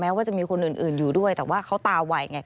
ว่าจะมีคนอื่นอยู่ด้วยแต่ว่าเขาตาไวไง